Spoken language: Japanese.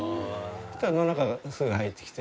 そしたら野中がすぐ入ってきて。